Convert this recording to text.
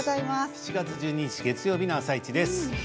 ７月１２日月曜日の「あさイチ」です。